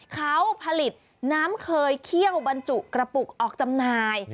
เขาผลิตน้ำเคยเคี่ยวบรรจุกระปุกออกจำหน่าย